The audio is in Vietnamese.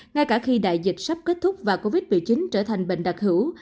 ngay cả khi đại dịch sắp kết thúc và covid một mươi chín trở thành bệnh đặc hữu